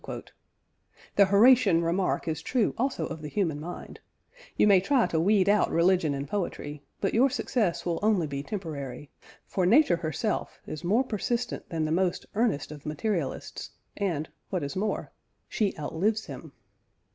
The Horatian remark is true also of the human mind; you may try to weed out religion and poetry, but your success will only be temporary; for nature herself is more persistent than the most earnest of materialists and (what is more) she outlives him.